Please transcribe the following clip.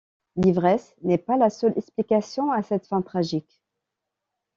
L’ivresse n'est pas la seule explication à cette fin tragique.